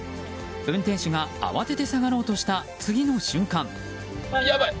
運転手が慌てて下がろうとした次の瞬間。